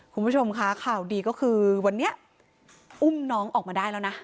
คุณผู้ชมคะข่าวดีก็คือวันนี้อุ้มน้องออกมาได้แล้วนะ